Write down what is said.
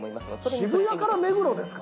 渋谷から目黒ですか？